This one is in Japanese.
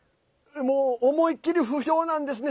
思いっきり不評なんですね。